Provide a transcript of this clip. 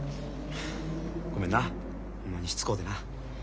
ごめんなホンマにしつこうてな。